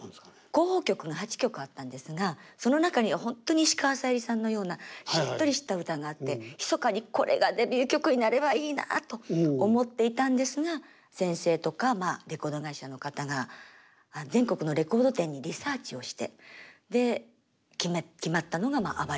候補曲が８曲あったんですがその中には本当に石川さゆりさんのようなしっとりした歌があって密かにこれがデビュー曲になればいいなと思っていたんですが先生とかレコード会社の方が全国のレコード店にリサーチをしてで決まったのが「あばれ太鼓」だったんですね。